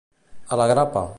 A la grapa.